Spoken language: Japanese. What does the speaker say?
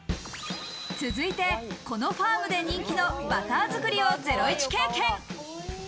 続いて、このファームで人気のバター作りをゼロイチ経験。